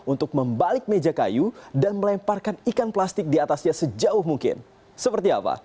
untuk membalik meja kayu dan melemparkan ikan plastik di atasnya sejauh mungkin seperti apa